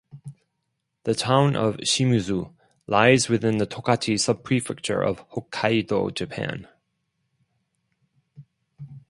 The town of Shimizu lies within the Tokachi Subprefecture of Hokkaido, Japan.